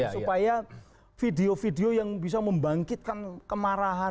supaya video video yang bisa membangkitkan kemarahan